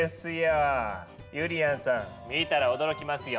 ゆりやんさん見たら驚きますよ。